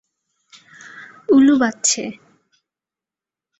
উলু বাজছে।